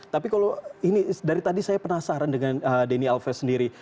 tapi kalau ini dari tadi saya penasaran dengan denny alves sendiri